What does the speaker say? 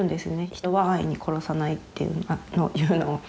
人は安易に殺さないっていうのを。